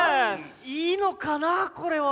いいのかなこれは。